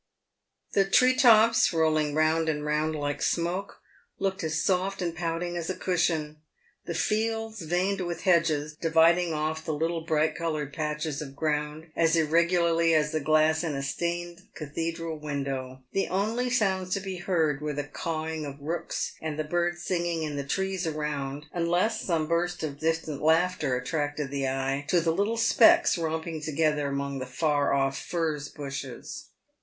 The tree tops, rolling round and round like smoke, looked as soft and pouting as a cushion; the fields, veined with hedges, dividing off the little bright coloured patches of ground as irregularly as the glass in a stained cathedral window. The only sounds to be heard were the cawing of rooks and the birds singing in the trees around, unless some burst of distant laughter attracted the eye to the little specks romping together among the far off furze bushes.